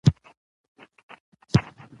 • صنعتي بدلونونه نورو هېوادونو ته هم ورسېدل.